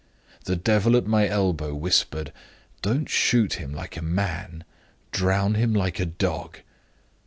The devil at my elbow whispered, 'Don't shoot him like a man: drown him like a dog!